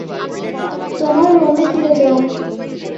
তোমার রুমে ফিরে যাও।